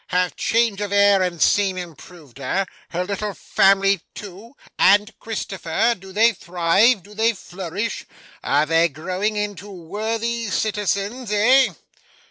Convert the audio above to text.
Have change of air and scene improved her? Her little family too, and Christopher? Do they thrive? Do they flourish? Are they growing into worthy citizens, eh?